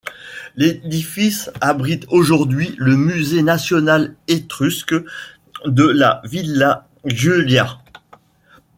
L'édifice abrite aujourd'hui le Musée national étrusque de la villa Giulia.